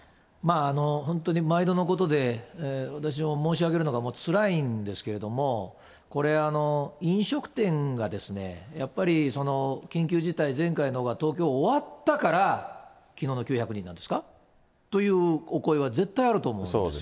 本当に毎度のことで、私も申し上げるのがもうつらいんですけれども、これ、飲食店がやっぱり緊急事態、前回のが東京終わったから、きのうの９００人なんですか、というお声は絶対あると思うんです。